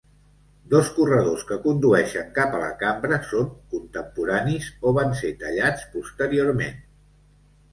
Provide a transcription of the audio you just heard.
Dos corredors que condueixen cap a la cambra són contemporanis o van ser tallats posteriorment.